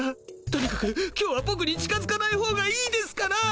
とにかく今日はボクに近づかないほうがいいですから。